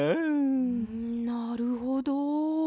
なるほど。